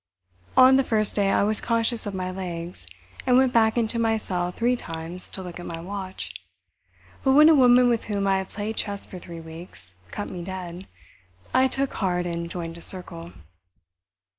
On the first day I was conscious of my legs, and went back into my cell three times to look at my watch, but when a woman with whom I had played chess for three weeks cut me dead, I took heart and joined a circle.